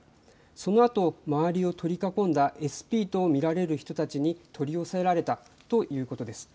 そのあと周りを取り囲んだＳＰと見られる人たちに取り押さえられたということです。